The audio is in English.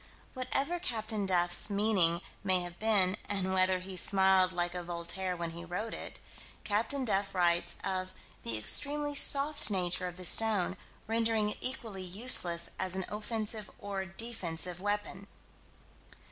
Whatever Captain Duff's meaning may have been, and whether he smiled like a Voltaire when he wrote it, Captain Duff writes of "the extremely soft nature of the stone, rendering it equally useless as an offensive or defensive weapon."